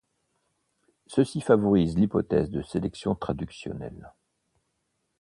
Ceci favorise l'hypothèse de sélection traductionnelle.